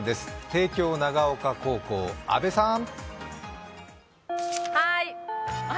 帝京長岡高校、安部さん。